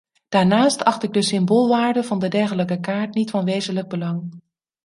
Daarnaast acht ik de symboolwaarde van de dergelijke kaart niet van wezenlijk belang.